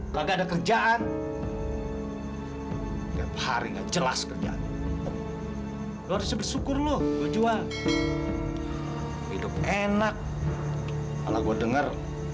nggak ada kerjaan hari hari nggak jelas kerjaan lu harus bersyukur lu jual hidup enak kalau gue denger